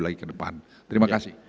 lagi ke depan terima kasih